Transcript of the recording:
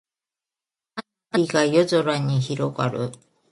花火が夜空に広がる。